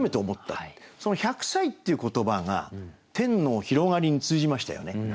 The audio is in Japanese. その「百歳」っていう言葉が天の広がりに通じましたよね。